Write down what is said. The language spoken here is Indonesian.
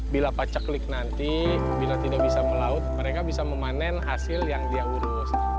bila paceklik nanti bila tidak bisa melaut mereka bisa memanen hasil yang dia urus